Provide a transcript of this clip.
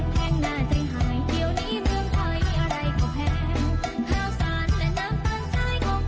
ผู้เลือกจิ๊บเจ็บสัก